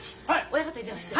親方に電話して。